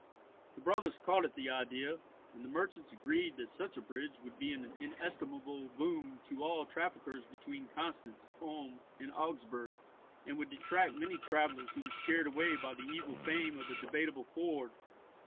The brothers caught at the idea, and the merchants agreed that such a bridge would be an inestimable boon to all traffickers between Constance, Ulm, and Augsburg, and would attract many travellers who were scared away by the evil fame of the Debateable Ford.